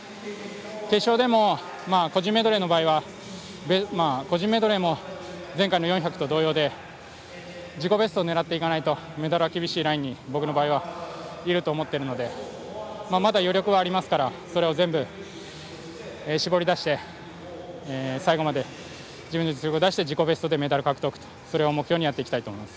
決勝でも個人メドレーも前回の４００と同様で自己ベストを狙っていかないとメダルは厳しいラインに僕の場合はいると思っているのでまだ余力はありますからそれを全部絞り出して最後まで自分の実力を出して自己ベストでメダル獲得とそれを目標にやっていきたいと思います。